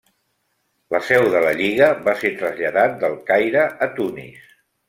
La seu de la Lliga va ser traslladat del Caire a Tunis.